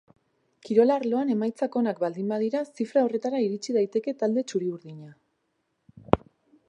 Kirol arloan emaitzak onak baldin badira zifra horretara iritsi daiteke talde txuri-urdina.